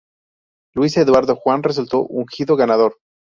Luis Eduardo Juan resultó ungido ganador.